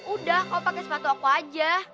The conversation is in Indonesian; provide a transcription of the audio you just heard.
udah kamu pake sepatu aku aja